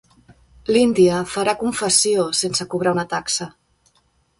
L'Índia farà confessió sense cobrar una taxa.